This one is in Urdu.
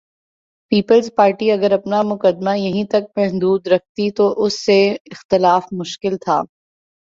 پیپلز پارٹی اگر اپنا مقدمہ یہیں تک محدود رکھتی تو اس سے اختلاف مشکل تھا۔